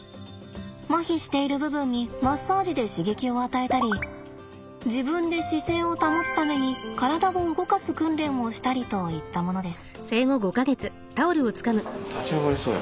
まひしている部分にマッサージで刺激を与えたり自分で姿勢を保つために体を動かす訓練をしたりといったものです。